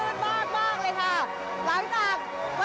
เดินทางมาเชียร์กันอย่างเต็มที่เลยค่ะ